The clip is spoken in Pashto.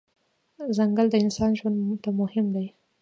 ځنګل د انسان ژوند ته مهم دی.